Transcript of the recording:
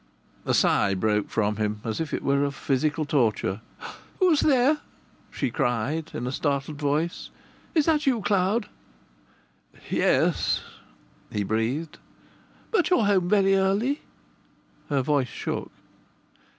A sigh broke from him, as it were of physical torture. "Who's there?" she cried, in a startled voice. "Is that you, Cloud?" "Yes," he breathed. "But you're home very early!" Her voice shook.